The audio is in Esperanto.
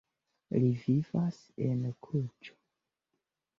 Li vivas en Kluĵo.